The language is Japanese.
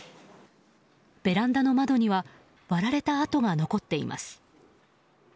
ベランダの窓には割られた跡が残っています。